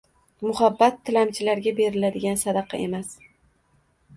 Muhabbat tilamchilarga beriladigan sadaqa emas